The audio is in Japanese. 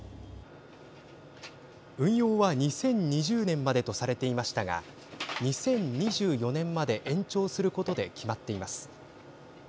運用は、２０２０年までとされていましたが２０２４年まで延長することで決まっています。